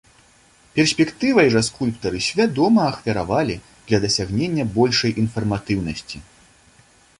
Перспектывай жа скульптары свядома ахвяравалі для дасягнення большай інфарматыўнасці.